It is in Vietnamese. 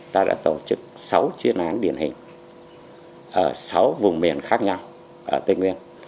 ta đã tổ chức sáu chuyên án điển hình ở sáu vùng miền khác nhau ở tây nguyên